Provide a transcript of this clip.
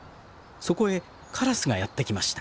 そこへカラスがやって来ました。